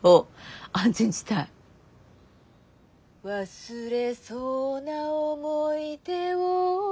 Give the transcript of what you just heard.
「忘れそうな想い出を」